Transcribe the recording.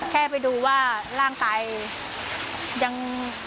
แค่ไปดูว่าร่างกายยัง